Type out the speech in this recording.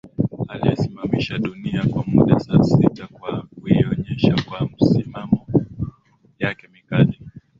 aliyesimamisha dunia kwa muda saa sita kwa kuienyesha kwa misimamo yake mikali